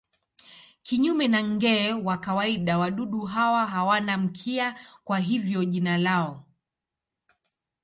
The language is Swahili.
Kinyume na nge wa kawaida wadudu hawa hawana mkia, kwa hivyo jina lao.